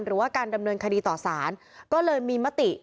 หรือว่าการดำเนินคดีต่อสารก็เลยมีมติ